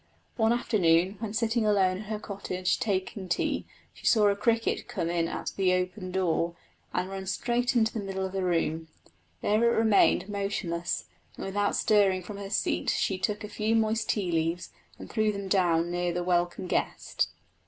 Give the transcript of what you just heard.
One afternoon, when sitting alone in her cottage taking tea, she saw a cricket come in at the open door, and run straight into the middle of the room. There it remained motionless, and without stirring from her seat she took a few moist tea leaves and threw them down near the welcome guest.